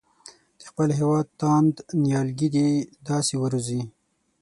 د خپل هېواد تاند نیالګي دې داسې وروزي.